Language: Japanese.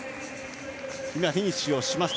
フィニッシュをしました。